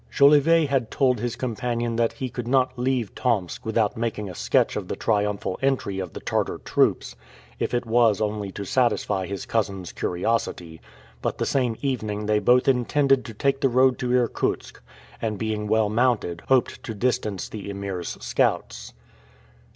Jolivet had told his companion that he could not leave Tomsk without making a sketch of the triumphal entry of the Tartar troops, if it was only to satisfy his cousin's curiosity; but the same evening they both intended to take the road to Irkutsk, and being well mounted hoped to distance the Emir's scouts.